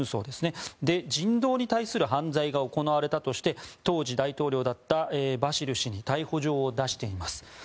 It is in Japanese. で、人道に対する犯罪が行われたとして当時、大統領だったバシル氏に逮捕状を出しています。